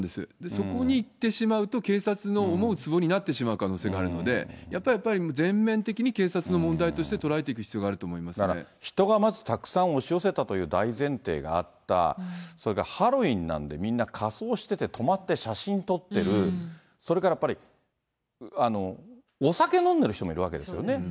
そこにいってしまうと、警察の思うつぼになってしまう可能性があるので、やっぱり全面的に警察の問題として捉えていく必要があると思いまだから人がまずたくさん押し寄せたという大前提があった、それからハロウィーンなんで、みんな仮装してて、止まって写真撮ってる、それからやっぱりお酒飲んでる人もいるわけですよね。